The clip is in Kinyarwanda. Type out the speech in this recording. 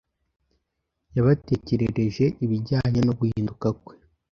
Yabatekerereje ibijyanye no guhinduka kwe